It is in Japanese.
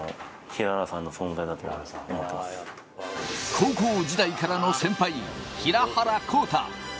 高校時代からの先輩、平原康多。